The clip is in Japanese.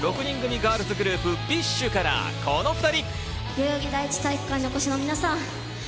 ガールズグループＢｉＳＨから、この２人。